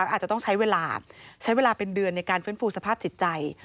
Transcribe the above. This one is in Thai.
อาจจะต้องใช้เวลาใช้เวลาเป็นเดือนในการฟื้นฟูสภาพจิตใจ